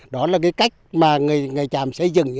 đó là cái cách mà người tràm xây dựng